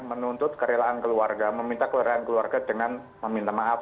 menuntut kerelaan keluarga meminta kerelaan keluarga dengan meminta maaf